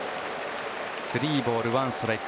３ボール１ストライク。